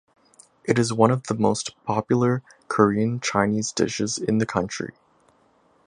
It is one of the most popular Korean Chinese dishes in the country.